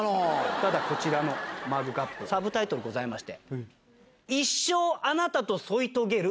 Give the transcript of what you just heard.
ただこちらのマグカップサブタイトルございまして。